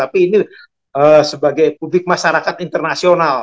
tapi ini sebagai publik masyarakat internasional